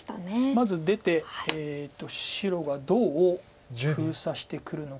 まず出て白がどう封鎖してくるのか。